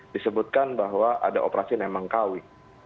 disebutkan bahwa ada operasi nemangkawi